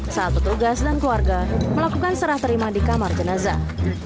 saat petugas dan keluarga melakukan serah terima di kamar jenazah